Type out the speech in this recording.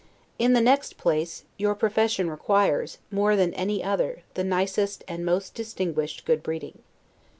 In the next place, your profession requires, more than any other, the nicest and most distinguished good breeding.